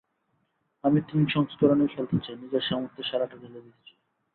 আমি তিন সংস্করণেই খেলতে চাই, নিজের সামর্থ্যের সেরাটাই ঢেলে দিতে চাই।